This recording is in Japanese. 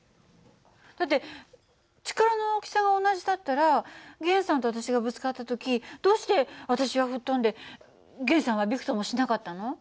だって力の大きさが同じだったら源さんと私がぶつかった時どうして私は吹っ飛んで源さんはびくともしなかったの？